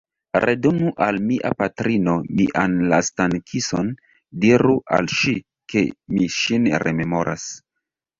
Redonu al mia patrino mian lastan kison, diru al ŝi, ke mi ŝin rememoras!